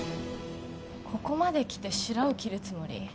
ここまできてシラを切るつもり？